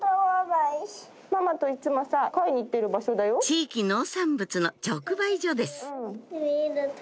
地域農産物の直売所です